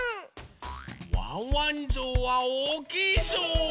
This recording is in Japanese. ワンワンぞうはおおきいぞう！